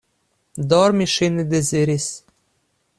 Dormi ŝi ne deziris.